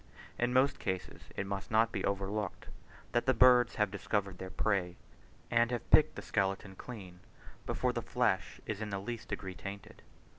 In most cases it must not be overlooked, that the birds have discovered their prey, and have picked the skeleton clean, before the flesh is in the least degree tainted.